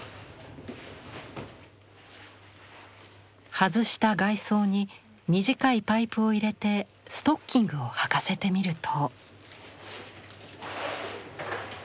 外した外装に短いパイプを入れてストッキングをはかせてみると。